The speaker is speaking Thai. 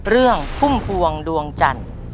เรื่องภุ่มภวงดวงจันทร์